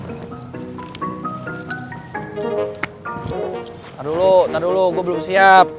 tar dulu tar dulu gue belum siap